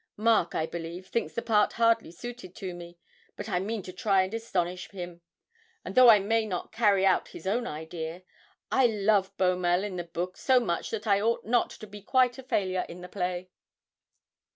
Mark, I believe, thinks the part hardly suited to me, but I mean to try and astonish him, even though I may not carry out his own idea. I love Beaumelle in the book so much that I ought not to be quite a failure in the play.'